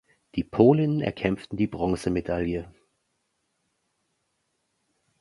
Die Polinnen erkämpften die Bronzemedaille.